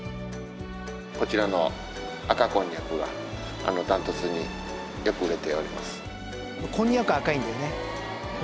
こちらの赤こんにゃくが断トツによく売れております。